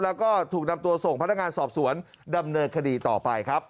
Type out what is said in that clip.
แล้วก็ถูกนำตัวส่งพนักงานสอบสวนดำเนินคดีต่อไปครับ